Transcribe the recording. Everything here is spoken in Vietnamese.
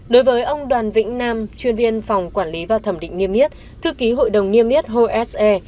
đối với ông đoàn vĩnh nam chuyên viên phòng quản lý và thẩm định niêm yết thư ký hội đồng niêm yết hồ s e